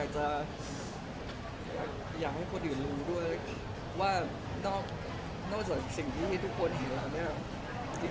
แต่ผมอยากให้คนอื่นรู้ด้วยว่านอกจากสิ่งที่ให้ทุกคนเห็นแล้วนะครับ